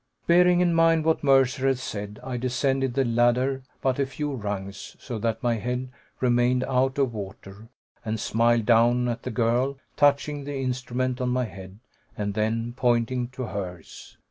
Bearing in mind what Mercer had said, I descended the ladder but a few rungs, so that my head remained out of water, and smiled down at the girl, touching the instrument on my head, and then pointing to hers.